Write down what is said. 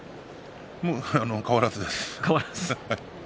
もう変わらずです。